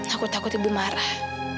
aku takut ibu marah